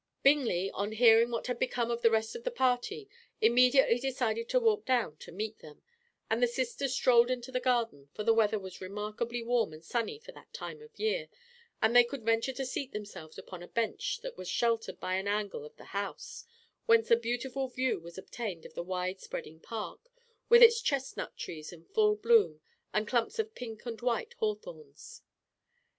Bingley, on hearing what had become of the rest of the party, immediately decided to walk down to meet them; and the sisters strolled into the garden, for the weather was remarkably warm and sunny for that time of year, and they could venture to seat themselves upon a bench that was sheltered by an angle of the house, whence a beautiful view was obtained of the wide spreading park, with its chestnut trees in full bloom and clumps of pink and white hawthorns.